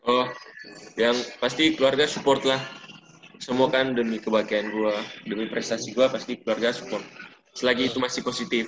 oh yang pasti keluarga support lah semua kan demi kebahagiaan gue demi prestasi gue pasti keluarga support selagi itu masih positif